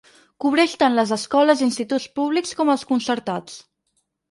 Cobreix tant les escoles i instituts públics com els concertats.